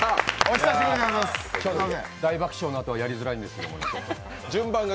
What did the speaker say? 大爆笑のあとはやりづらいんですけど。